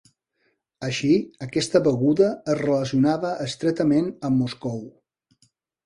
Així, aquesta beguda es relacionava estretament amb Moscou.